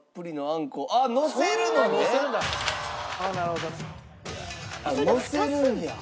あっのせるんや。